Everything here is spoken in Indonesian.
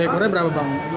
perekornya berapa bang